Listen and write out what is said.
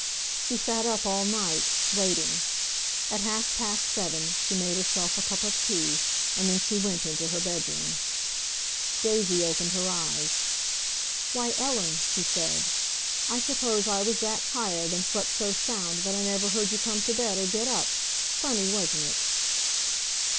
She sat up all night, waiting. At half past seven she made herself a cup of tea, and then she went into her bedroom. Daisy opened her eyes. "Why, Ellen," she said, "I suppose I was that tired, and slept so sound, that I never heard you come to bed or get up—funny, wasn't it?"